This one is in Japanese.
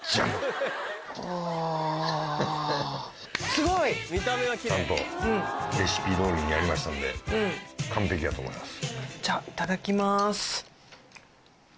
すごい！ちゃんとレシピどおりにやりましたんで完璧やと思います。